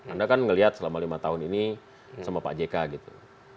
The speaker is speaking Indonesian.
anda kan melihat selama lima tahun ini sama pak jk gitu